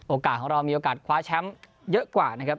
ของเรามีโอกาสคว้าแชมป์เยอะกว่านะครับ